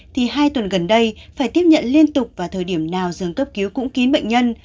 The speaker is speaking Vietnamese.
thì hai tuần gần đây phải tiếp nhận liên tục vào thời điểm nào dường cấp cứu cũng kín bệnh nhân